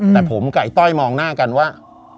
แต่ผมกับไอ้ต้อยมองหน้ากันว่า